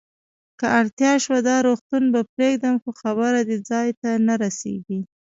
که اړتیا شوه، دا روغتون به پرېږدم، خو خبره دې ځای ته نه رسېږي.